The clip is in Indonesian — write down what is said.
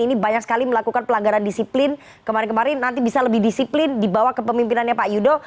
ini banyak sekali melakukan pelanggaran disiplin kemarin kemarin nanti bisa lebih disiplin dibawa ke pemimpinannya pak yudo